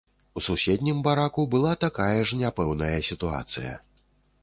У суседнім бараку была такая ж няпэўная сітуацыя.